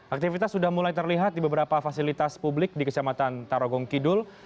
aktivitas sudah mulai terlihat di beberapa fasilitas publik di kecamatan tarogong kidul